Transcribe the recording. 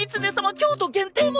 京都限定もの！